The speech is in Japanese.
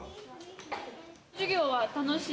授業は楽しい？